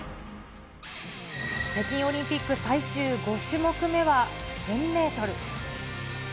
北京オリンピック最終５種目目は１０００メートル。